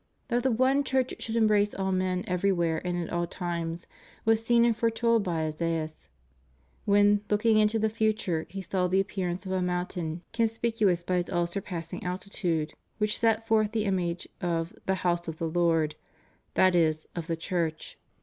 That the one Church should embrace all men every where and at all times was seen and foretold by Isaias, when looking into the future he saw the appearance of a mountain conspicuous by its all surpassing altitude, which set forth the image of "the house of the Lord"— that is, of the Church.